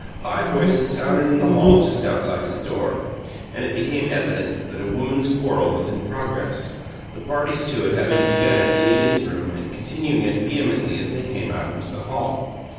High voices sounded in the hall just outside his door; and it became evident that a woman's quarrel was in progress, the parties to it having begun it in Edith's room, and continuing it vehemently as they came out into the hall.